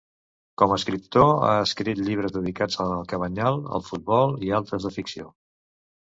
Com a escriptor, ha escrit llibres dedicats al Cabanyal, al futbol i altres de ficció.